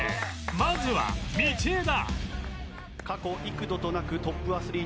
まずは道枝